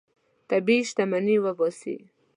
طبیعي شتمني وباسئ.